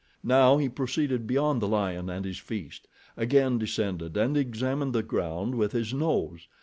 Now he proceeded beyond the lion and his feast, again descended and examined the ground with his nose.